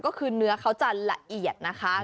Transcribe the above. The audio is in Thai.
ก็คือเนื้อเขาจะละเอียดนะคะ